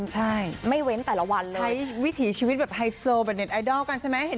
ใช่ไม่เว้นแต่ละวันเลยใช้วิถีชีวิตแบบไฮโซแบบเน็ตไอดอลกันใช่ไหม